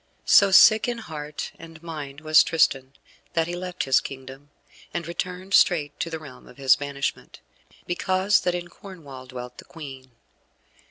So sick in heart and mind was Tristan that he left his kingdom, and returned straight to the realm of his banishment, because that in Cornwall dwelt the Queen.